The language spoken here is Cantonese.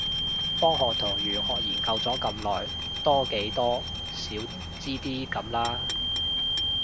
科學同玄學研究咗咁耐，多幾多少知啲咁啦